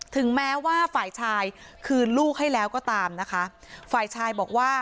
ถึงแม้ว่าฝ่ายชายคืนลูกให้แล้วก็ตามนะคะฝ่ายชายบอกว่า